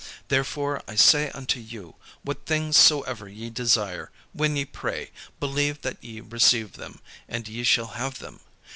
Therefore I say unto you, what things soever ye desire, when ye pray, believe that ye receive them, and ye shall have them.